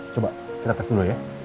coba kita tes dulu ya